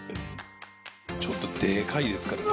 ちょっとでかいですからね。